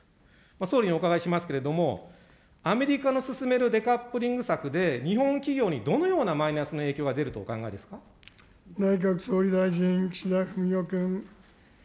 総理にお伺いしますけれども、アメリカの進めるデカップリング策で、日本企業にどのようなマイ内閣総理大臣、岸田文雄君。